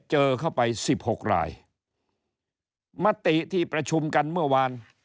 เจอเข้าไปสิบหกรายมติที่ประชุมกันเมื่อวาน